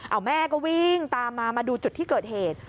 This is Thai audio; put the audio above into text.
เอาแม่ก็วิ่งตามมามาดูจุดที่เกิดเหตุ